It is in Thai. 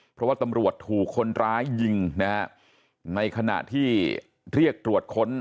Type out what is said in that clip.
เพราะว่าตำรวจถูกคนร้ายยิงนะฮะในขณะที่เรียกตรวจค้น